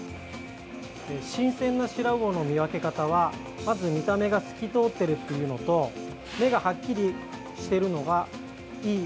新鮮なシラウオの見分け方はまず、見た目が透き通っているというのと目がはっきりしているのがいい